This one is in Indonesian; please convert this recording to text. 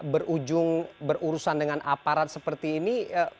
berujung berurusan dengan aparat seperti ini